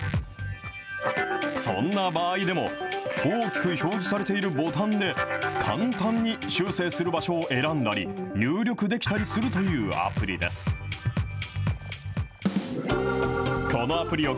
そんな場合でも、大きく表示されているボタンで簡単に修正する場所を選んだり、入力できたりするというアプリです。